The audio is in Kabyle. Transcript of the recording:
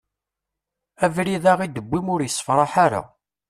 Abrid-a i d-tewwim ur issefraḥ ara.